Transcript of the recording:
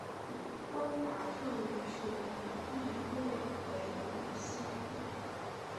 温达特语属于易洛魁语系。